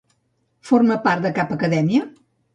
Forma part de cap acadèmia?